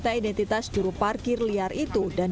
berarti mau lagi parkir pak ya